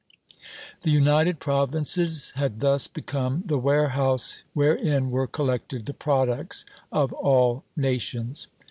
The United Provinces had thus become the warehouse wherein were collected the products of all nations.